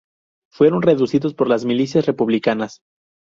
Fueron reducidos por las milicias republicanas.